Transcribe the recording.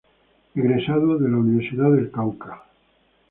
Egresado de la Universidad del Cauca.